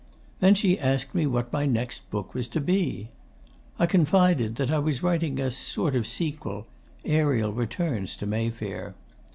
Then she asked me what my next book was to be. I confided that I was writing a sort of sequel "Ariel Returns to Mayfair."